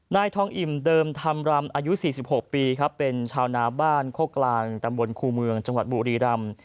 นายทองอิ่มเดิมธรรมรำอายุ๔๖ปีครับเป็นชาวนาบ้านโคกลางตำบลครูเมืองจังหวัดบุรีรำ